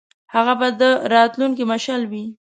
هغه به د راتلونکي مشعل وي.